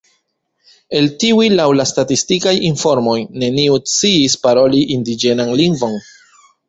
El tiuj laŭ la statistikaj informoj neniu sciis paroli indiĝenan lingvon.